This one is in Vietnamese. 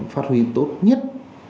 phát huy tốt nhất